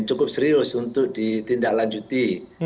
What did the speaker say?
cukup serius untuk ditindaklanjuti